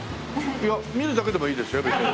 いや見るだけでもいいですよ別に。